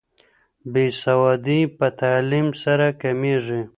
بې سوادي په تعلیم سره کمیږي.